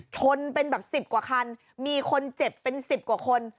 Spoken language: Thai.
ชนเป็นแบบสิบกว่าคันมีคนเจ็บเป็น๑๐กว่าคน